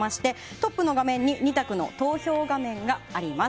トップの画面に２択の投票画面があります。